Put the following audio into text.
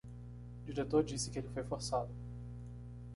Diretor disse que ele foi forçado